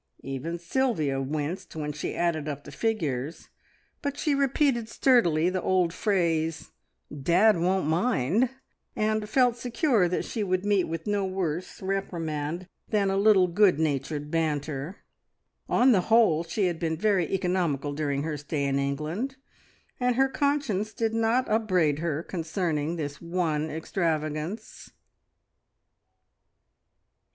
Even Sylvia winced when she added up the figures, but she repeated sturdily the old phrase, "Dad won't mind!" and felt secure that she would meet with no worse reprimand than a little good natured banter. On the whole she had been very economical during her stay in England, and her conscience did not upbraid her concerning this one extravagance.